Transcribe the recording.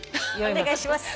お願いします。